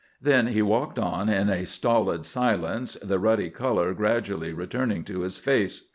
Then he walked on in a stolid silence, the ruddy colour gradually returning to his face.